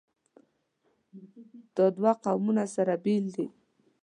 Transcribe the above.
دا دوه قومونه سره بېل دي.